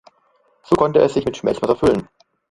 So konnte es sich mit Schmelzwasser füllen.